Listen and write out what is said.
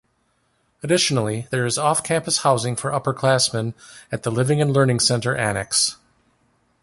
Additionally, there is off-campus housing for upperclassmen at the Living and Learning Center Annex.